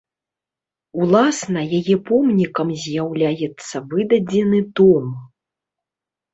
Уласна, яе помнікам з'яўляецца выдадзены том.